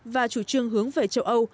và chủ trương hướng về châu âu